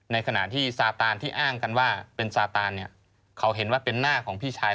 ในขณะที่ซาตานที่อ้างกันว่าเป็นซาตานเนี่ยเขาเห็นว่าเป็นหน้าของพี่ชาย